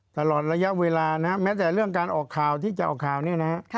ตลอดระยะเวลานะฮะแม้แต่เรื่องการออกข่าวที่จะออกข่าวเนี่ยนะฮะ